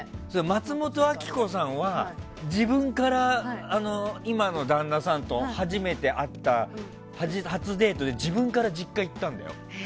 松本明子さんは自分から今の旦那さんと初めて会った初デートで自分から実家に行ったんだよ。